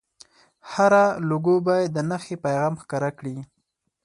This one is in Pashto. هره لوګو باید د نښې پیغام ښکاره کړي.